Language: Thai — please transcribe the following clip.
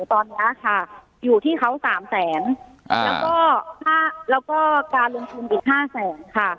ตอนนี้ค่ะอยู่ที่เขาสามแสนแล้วก็แล้วก็การลงทุนอีกห้าแสนค่ะ